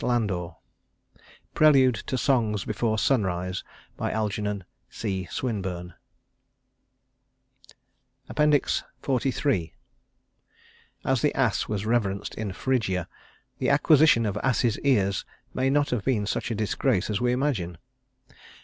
LANDOR Prelude to Songs before Sunrise ALGERNON C. SWINBURNE XLIII As the ass was reverenced in Phrygia, the acquisition of ass's ears may not have been such a disgrace as we imagine.